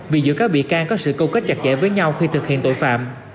vì giữa các bị can có sự câu kết chặt chẽ với nhau khi thực hiện tội phạm